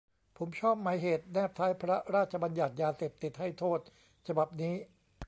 ผมชอบหมายเหตุแนบท้ายพระราชบัญญัติยาเสพติดให้โทษฉบับนี้